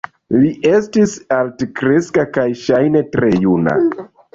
Li estis altkreska kaj ŝajne tre juna.